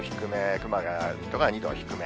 熊谷、水戸が２度低め。